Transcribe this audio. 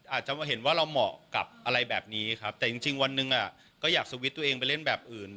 อาจจะเห็นว่าเราเหมาะกับอะไรแบบนี้ครับแต่จริงวันหนึ่งก็อยากสวิตช์ตัวเองไปเล่นแบบอื่น